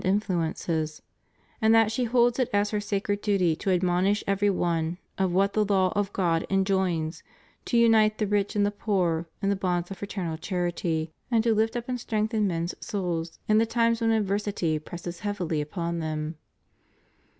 influences: and that she holds it as her sacred duty to admonish every one of what the law of God enjoins to unite the rich and the poor in the bonds of fraternal charity, and to lift up and strengthen men's souls in the times when adversity presses heavily upon them.